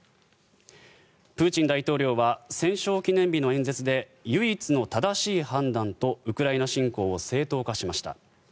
プーチン大統領は戦勝記念日の演説で唯一の正しい判断とウクライナ侵攻を正当化しました。